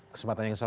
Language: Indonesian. kesempatan yang sama